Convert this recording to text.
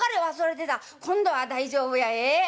今度は大丈夫やええ？